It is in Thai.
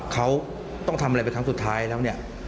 เขาต้องทำอะไรเป็นครั้งสุดท้ายแล้วเนี่ย